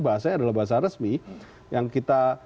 bahasanya adalah bahasa resmi yang kita